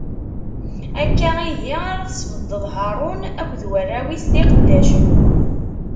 Akka ihi ara tesbeddeḍ Haṛun akked warraw-is d lqeddacen.